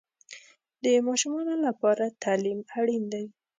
د ماشومانو لپاره تعلیم اړین دی.